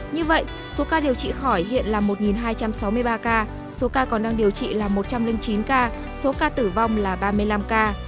như vậy số ca điều trị khỏi hiện là một hai trăm sáu mươi ba ca số ca còn đang điều trị là một trăm linh chín ca số ca tử vong là ba mươi năm ca